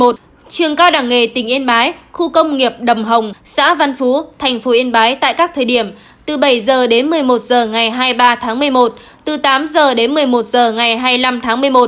trường cao đẳng nghề tỉnh yên bái khu công nghiệp đầm hồng xã văn phú thành phố yên bái tại các thời điểm từ bảy h đến một mươi một h ngày hai mươi ba tháng một mươi một từ tám h đến một mươi một h ngày hai mươi năm tháng một mươi một